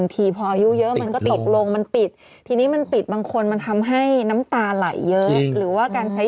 ทำไมวะไงคะมันก็ต้องตัด